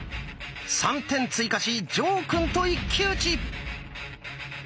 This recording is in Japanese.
３点追加し呈くんと一騎打ち！